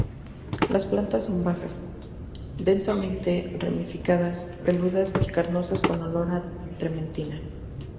Las plantas son bajas, densamente ramificadas, peludas y carnosas con olor a trementina.